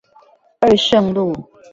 二聖路